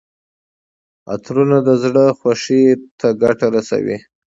عطرونه د زړه خوښۍ ته ګټه رسوي.